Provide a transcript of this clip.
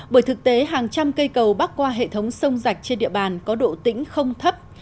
bởi thực tế hàng trăm cây cầu bắc qua hệ thống sông rạch trên địa bàn có độ tĩnh không thấp